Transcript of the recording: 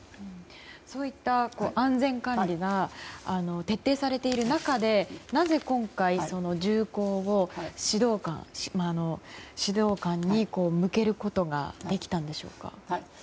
そういった安全管理が徹底されている中でなぜ今回、銃口を指導官に向けることができたんでしょう。